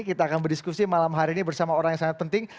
kita akan berdiskusi malam hari ini bersama orang yang sangat penting